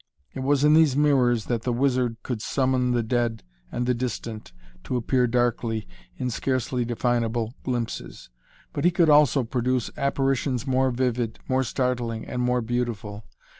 It was in these mirrors that the wizard could summon the dead and the distant to appear darkly, in scarcely definable glimpses. But he could also produce apparitions more vivid, more startling and more beautiful.